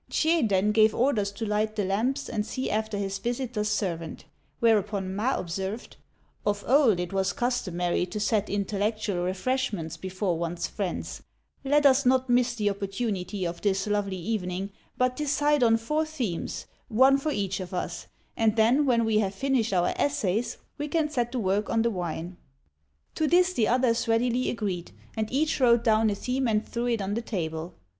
Chieh then gave orders to light the lamps and see after his visitor's servant; whereupon Ma observed, "Of old it was customary to set intellectual refreshments before one's friends; let us not miss the opportunity of this lovely evening, but decide on four themes, one for each of us; and then, when we have finished our essays, we can set to work on the wine." To this the others readily agreed; and each wrote down a theme and threw it on the table.